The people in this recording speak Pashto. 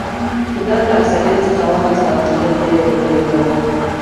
اقتدار له اکثریت څخه واخیست او اقلیت ته یې ور ولېږداوه.